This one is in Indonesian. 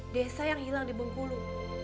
desa yang hilang di bengkulu